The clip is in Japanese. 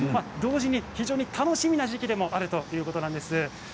同時に非常に楽しみな時期でもあるということです。